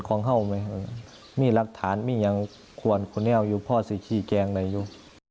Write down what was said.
ไม่มีหลักฐานกวนที่คุณแล้วอยู่ภอสิกหิแกงในอยู่